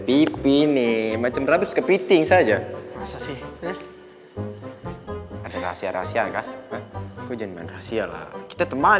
pipi nih macam beratus kepiting saja masih ada rahasia rahasia kak hujan rahasia lah kita teman